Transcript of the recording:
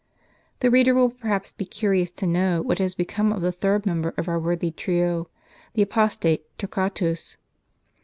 The reader will peihaps be curious to know what has become of the third member of our worthy trio, the apostate Torquatus.